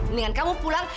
mendingan kamu pulang